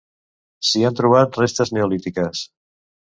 S'hi han trobat restes neolítiques.